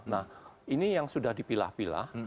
nah ini yang sudah dipilah pilah